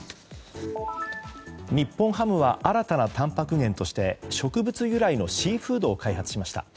日本ハムは新たなたんぱく源として植物由来のシーフードを開発しました。